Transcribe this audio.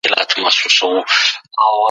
موږ وویل چي تحقیق یوه ادبي هڅه ده.